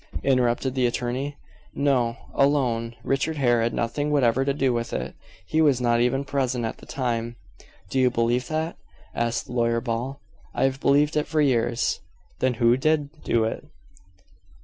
interrupted the attorney. "No: alone. Richard Hare had nothing whatever to do with it. He was not even present at the time." "Do you believe that?" asked Lawyer Ball. "I have believed it for years." "Then who did do it?"